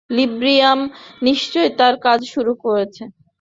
Librium নিশ্চয়ই তার কাজ শুরু করেছে।